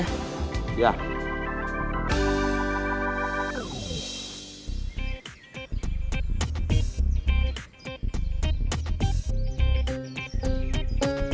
terima kasih om